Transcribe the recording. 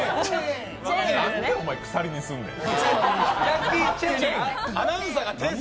なんでお前、鎖にすんねん。